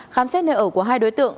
khám xét nơi ở của hai đối tượng